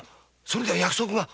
それでは約束が。